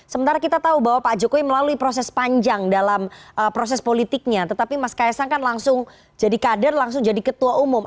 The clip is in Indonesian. sementara kita tahu bahwa pak jokowi melalui proses panjang dalam proses politiknya tetapi mas kaisang kan langsung jadi kader langsung jadi ketua umum